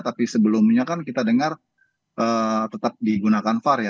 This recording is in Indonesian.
tapi sebelumnya kan kita dengar tetap digunakan var ya